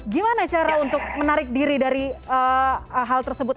gimana cara untuk menarik diri dari hal tersebut